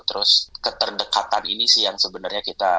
terus keterdekatan ini sih yang sebenarnya kita